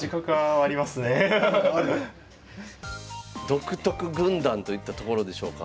独特軍団といったところでしょうか？